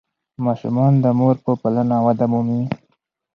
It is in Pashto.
ماشومان د مور په پالنه وده مومي.